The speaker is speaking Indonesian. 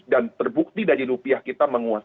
dan terbukti dari rupiah kita menguas